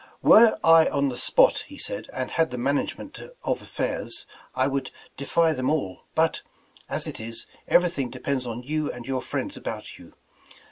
"Were I on the spot," he said, "and had the man agement of affairs, I would defy them all; but, as it is, everything depends on you and your friends about you.